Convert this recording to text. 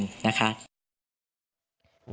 ตามเจตนารมณ์ของพี่น้องประชาชน